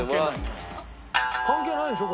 関係ないでしょ？